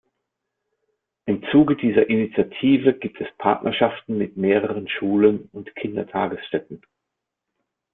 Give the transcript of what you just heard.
Im Zuge dieser Initiative gibt es Partnerschaften mit mehreren Schulen und Kindertagesstätten.